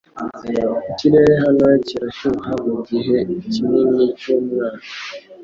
Ikirere hano kirashyuha mugihe kinini cyumwaka.